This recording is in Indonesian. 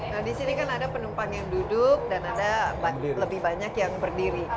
nah di sini kan ada penumpang yang duduk dan ada lebih banyak yang berdiri